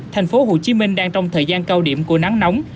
thành phố hồ chí minh đang trong thời gian cao điểm của nắng nóng